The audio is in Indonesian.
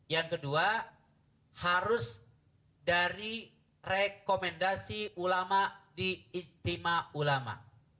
yang kedua harus dari rekomendasi ulama diistimak ulama